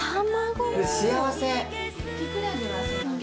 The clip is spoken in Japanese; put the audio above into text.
幸せ！